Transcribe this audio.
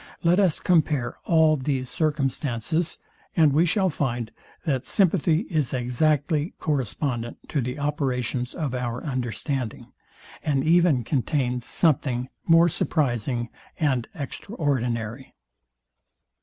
Let us compare all these circumstances, and we shall find, that sympathy is exactly correspondent to the operations of our understanding; and even contains something more surprizing and extraordinary.